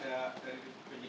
dan di sini